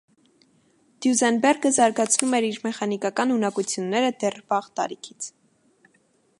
Դյուզենբերգը զարգացնում էր իր մեխանիկական ունակությունները դեռ վաղ տարիքից։